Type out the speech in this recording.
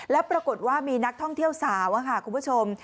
แล้วปรากฏว่ามีนักท่องเที่ยวสาวค่ะคุณผู้ชม